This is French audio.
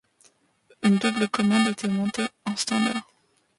Une double commande était montée en standard.